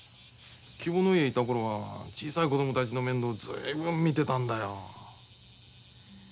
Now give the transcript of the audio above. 希望の家にいた頃は小さい子供たちの面倒を随分見てたんだよ。